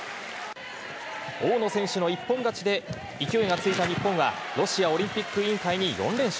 大野選手の一本勝ちで勢いがついた日本は、ロシアオリンピック委員会に４連勝。